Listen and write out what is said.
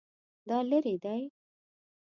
دا لیرې دی؟